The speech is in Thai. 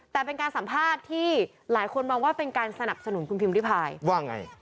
แต่เป็นการสัมภาษณ์ที่หลายคนมองว่าเป็นการสนับสนุนคุณพิมพิพายว่าไง